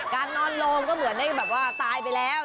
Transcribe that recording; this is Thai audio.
การนอนโลงก็เหมือนได้แบบว่าตายไปแล้ว